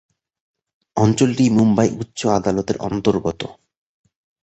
অঞ্চলটি মুম্বাই উচ্চ আদালতের অন্তর্গত।